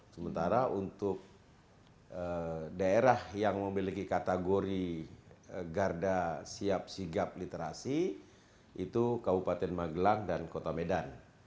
sementara untuk daerah yang memiliki kategori garda siap sigap literasi itu kabupaten magelang dan kota medan